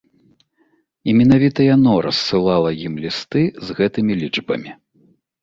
І менавіта яно рассылала ім лісты з гэтымі лічбамі.